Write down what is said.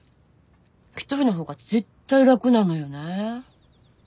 １人の方が絶対ラクなのよねぇ。